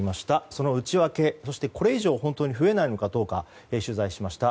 その内訳、そしてこれ以上本当に増えないのかどうか取材しました。